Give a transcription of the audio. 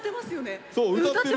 そう歌ってる。